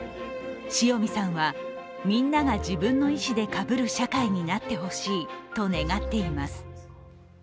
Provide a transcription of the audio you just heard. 塩見さんは、みんなが自分の意思でかぶる社会になってほしいと願っています。